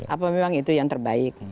apa memang itu yang terbaik